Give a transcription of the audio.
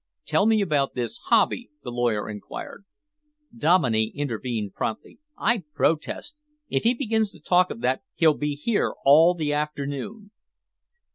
"Tell me about this hobby?" the lawyer enquired. Dominey intervened promptly. "I protest. If he begins to talk of that, he'll be here all the afternoon."